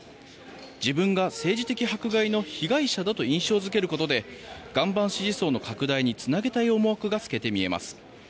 自分が政治的迫害の被害者だと印象付けることで岩盤支持層の拡大につなげたい思惑が透けて見えます。